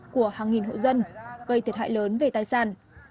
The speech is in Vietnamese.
của hàng nghìn hộ dân gây thiệt hại lớn về tài sản